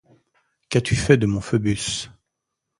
Qu'as-tu fait de mon Phoebus?